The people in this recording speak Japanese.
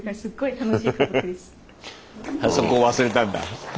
そこを忘れたんだ。